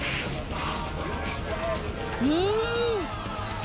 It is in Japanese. うん！